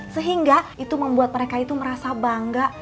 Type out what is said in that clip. sehingga itu membuat mereka itu merasa bangga